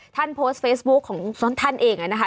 ท่านโพสต์เฟซบุ๊คของท่านเองนะคะ